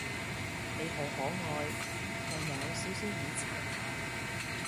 你好可愛，但有少少耳殘